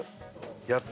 やった！